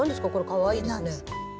かわいいですね。